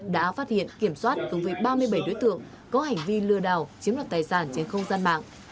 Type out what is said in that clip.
đã phát hiện kiểm soát cùng với ba mươi bảy đối tượng có hành vi lừa đảo chiếm đoạt tài sản trên không gian mạng